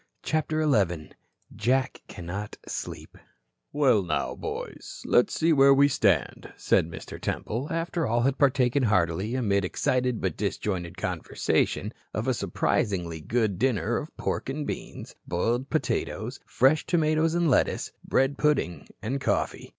CHAPTER XI JACK CANNOT SLEEP "Well, now, boys, let's see where we stand," said Mr. Temple, after all had partaken heartily, amid excited but disjointed conversation, of a surprisingly good dinner of pork and beans, boiled potatoes, fresh tomatoes and lettuce, bread pudding and coffee.